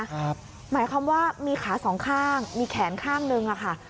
หมายความว่ามีขาสองข้างมีแขนข้างหนึ่งอะค่ะ